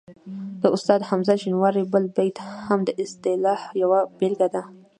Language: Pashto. د استاد حمزه شینواري بل بیت هم د اصطلاح یوه بېلګه لري